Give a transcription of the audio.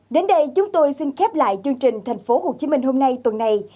đến đây chúng tôi xin khép lại chương trình tp hcm hôm nay tuần này